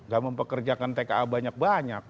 gak mempekerjakan tka banyak banyak